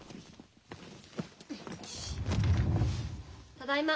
ただいま。